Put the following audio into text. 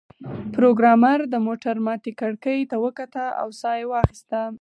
پروګرامر د موټر ماتې کړکۍ ته وکتل او ساه یې واخیسته